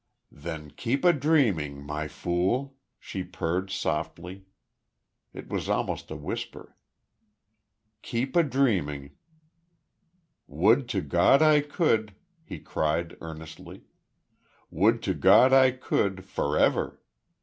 "Then keep a dreaming, My Fool," she purred, softly. It was almost a whisper. "Keep a dreaming." "Would to God I could!" he cried, earnestly. "Would to God I could, forever!